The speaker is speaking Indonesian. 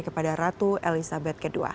kepada ratu elizabeth ii